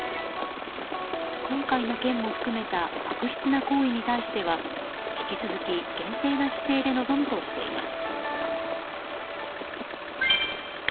今回の件も含めた悪質な行為に対しては引き続き、厳正な姿勢で臨むとしています。